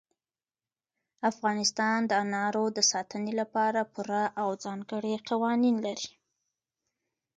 افغانستان د انارو د ساتنې لپاره پوره او ځانګړي قوانین لري.